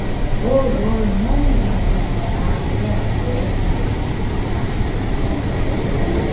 Ой-ой, мом ужын огыл, «на расстрел» верештын вет.